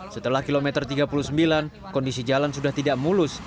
setelah kilometer tiga puluh sembilan kondisi jalan sudah tidak mulus